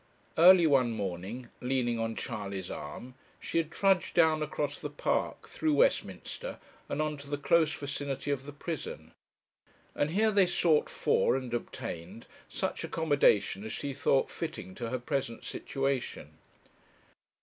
Early one morning, leaning on Charley's arm, she had trudged down across the Park, through Westminster, and on to the close vicinity of the prison; and here they sought for and obtained such accommodation as she thought fitting to her present situation.